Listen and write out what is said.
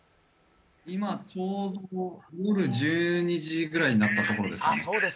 今、夜１２時ぐらいになったところです。